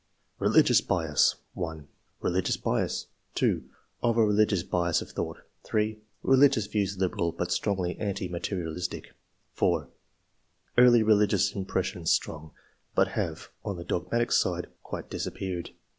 "] Religious bias. — 1. Religious bias." 2. '* Of a religious bias of thought." 3. '* Religious views liberal, but strongly anti materialistic." 4. '^ Early religious impressions strong, but have, on the dogmatic side, quite disappeared.